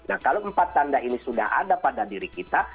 nah kalau empat tanda ini sudah ada pada diri kita